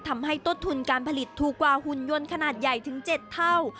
ทำให้ต้นทุนการผลิตถูกกว่าหุ่นยนต์ขนาดใหญ่ถึง๗เท่า